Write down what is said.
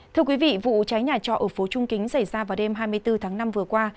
thưa quý vị vụ cháy nhà trọ ở phố trung kính xảy ra vào đêm hai mươi bốn tháng năm vừa qua